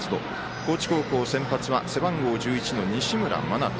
高知高校、先発は背番号１１の西村真人。